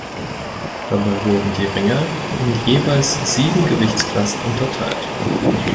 Dabei wurden die Ringer in jeweils sieben Gewichtsklassen unterteilt.